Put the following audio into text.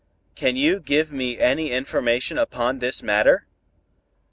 Can you give me any information upon this matter?"